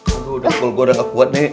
aduh udah kebel gue udah kekuat nih